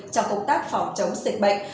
trong công tác phòng chống dịch bệnh